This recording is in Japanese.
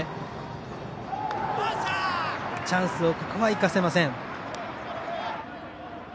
チャンスを、ここは生かせません。